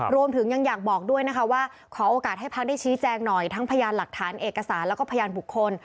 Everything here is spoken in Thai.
รวมถึงยังอยากบอกด้วยนะคะว่าขอโอกาสให้พักได้ชี้แจงหน่อยทั้งพยานหลักฐานเอกสารแล้วก็พยานบุคคล